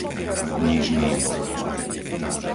Nižný Blh